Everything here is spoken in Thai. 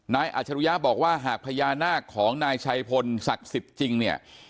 อาจรุยะบอกว่าหากพญานาคของนายชัยพลศักดิ์สิทธิ์จริงเนี่ย